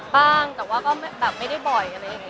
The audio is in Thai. บ้างแต่ว่าก็แบบไม่ได้บ่อยอะไรอย่างนี้